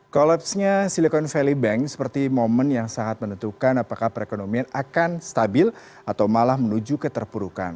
kolapsnya silicon valley bank seperti momen yang sangat menentukan apakah perekonomian akan stabil atau malah menuju keterpurukan